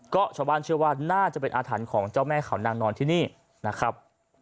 ก็ชาวบ้านเชื่อว่าน่าจะเป็นอาถรรพ์ของเจ้าแม่เขานางนอนที่นี่นะครับ